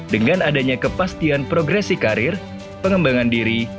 dengan adanya kepastian progresi karir pengembangan diri